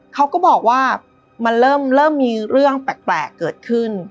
เขาก็บอกว่ามันเริ่มมีเรื่องแปลกเกิดขึ้น